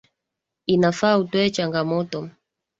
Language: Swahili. Inafaa utoe changamoto